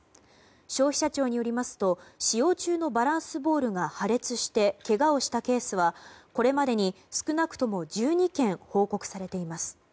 消費者庁によりますと使用中のバランスボールが破裂して、けがをしたケースはこれまでに少なくとも１２件報告されています。